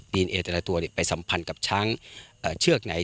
ดีเอแต่ละตัวไปสัมพันธ์กับช้างเชือกไหน